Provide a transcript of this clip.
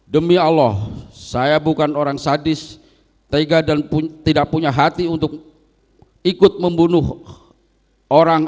demi allah saya bukan orang sadis tega dan tidak punya hati untuk ikut membunuh orang